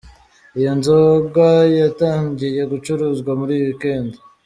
Iyi nzoga yatangiye gucuruzwa muri iyi weekend.